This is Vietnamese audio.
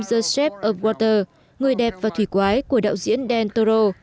the shape of water người đẹp và thủy quái của đạo diễn dan toro